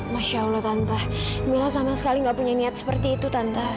masya allah tante mila sama sekali nggak punya niat seperti itu tante